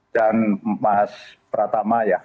dan mas pratama ya